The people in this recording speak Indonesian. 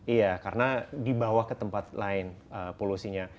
iya karena dibawa ke tempat lain polusinya